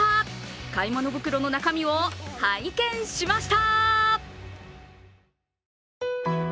買い物袋の中身を拝見しました。